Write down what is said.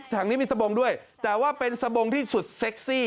ถังนี้มีสบงด้วยแต่ว่าเป็นสบงที่สุดเซ็กซี่